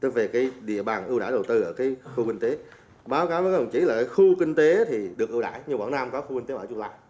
về cái địa bàn ưu đãi đầu tư ở cái khu kinh tế báo cáo với các đồng chí là khu kinh tế thì được ưu đãi nhưng quảng nam có khu kinh tế ở trung lai